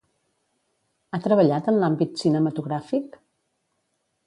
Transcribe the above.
Ha treballat en l'àmbit cinematogràfic?